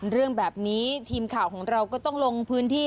เรื่องแบบนี้ทีมข่าวของเราก็ต้องลงพื้นที่